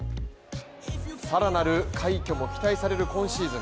更なる快挙も期待される今シーズン。